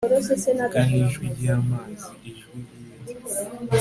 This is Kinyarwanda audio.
Vuga nijwi ryamazi ijwi ryibiti